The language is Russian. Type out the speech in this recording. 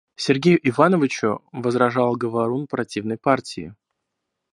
Сергею Ивановичу возражал говорун противной партии.